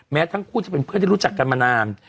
ทั้งคู่จะเป็นเพื่อนที่รู้จักกันมานาน